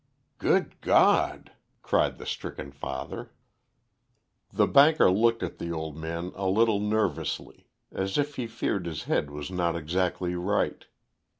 "Good God!" cried the stricken father. The banker looked at the old man a little nervously, as if he feared his head was not exactly right.